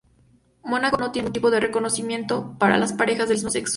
Mónaco no tiene ningún tipo de reconocimiento para las parejas del mismo sexo.